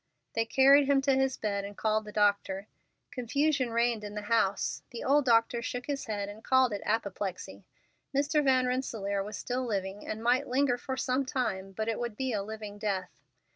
They carried him to his bed and called the doctor. Confusion reigned in the house. The old doctor shook his head and called it apoplexy. Mr. Van Rensselaer was still living, and might linger for some time, but it would be a living death.